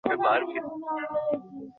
ওদের বাড়ির সামনে ছিল একটা খাটো কদমগাছ।